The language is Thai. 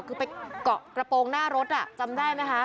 คือไปเกาะกระโปรงหน้ารถจำได้ไหมคะ